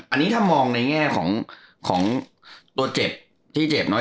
อันนี้ถ้ามองในแง่ของตัวเจ็บที่เจ็บน้อย